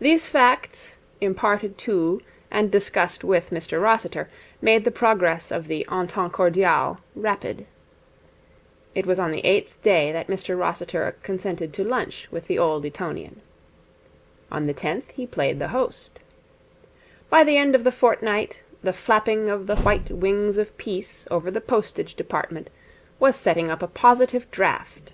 These facts, imparted to and discussed with Mr Rossiter, made the progress of the entente cordiale rapid. It was on the eighth day that Mr Rossiter consented to lunch with the Old Etonian. On the tenth he played the host. By the end of the fortnight the flapping of the white wings of Peace over the Postage Department was setting up a positive draught.